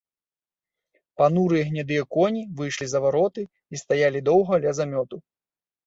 Панурыя гнядыя коні выйшлі за вароты і стаялі доўга ля замёту.